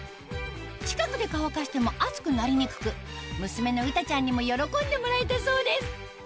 近くで乾かしても熱くなりにくく娘の詩歌ちゃんにも喜んでもらえたそうです